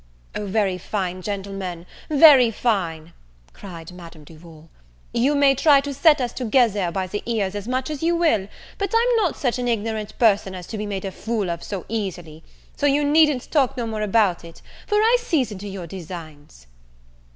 "O very fine, gentlemen, very fine," cried Madame Duval, "you may try to set us together by the ears as much as you will; but I'm not such an ignorant person as to be made a fool of so easily; so you needn't talk no more about it, for I sees into your designs."